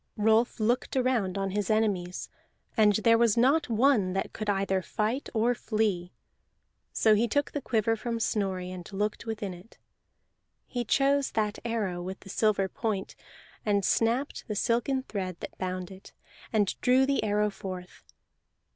Rolf looked around on his enemies, and there was not one that could either fight or flee. So he took the quiver from Snorri, and looked within it; he chose that arrow with the silver point, and snapped the silken thread that bound it, and drew the arrow forth.